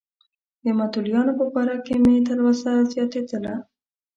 د متولیانو په باره کې مې تلوسه زیاتېدله.